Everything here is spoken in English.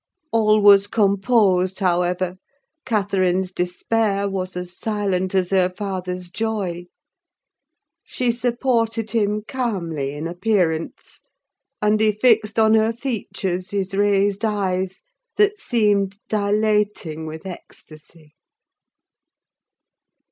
All was composed, however: Catherine's despair was as silent as her father's joy. She supported him calmly, in appearance; and he fixed on her features his raised eyes that seemed dilating with ecstasy.